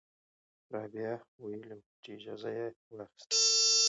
رابعه ویلي وو چې اجازه یې واخیسته.